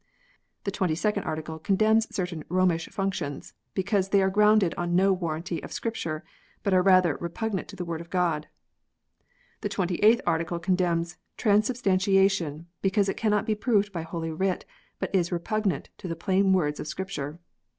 The Twenty second Article condemns certain Romish functions, "because they are grounded on no warranty of Scripture, but are rather repugnant to the Word of God." The Twenty eighth Article condemns Transubstantiation, " because it cannot be proved by Holy Writ, but is repugnant to the plain words of Scripture."